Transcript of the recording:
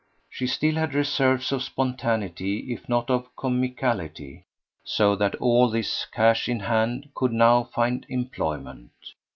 She still had reserves of spontaneity, if not of comicality; so that all this cash in hand could now find employment.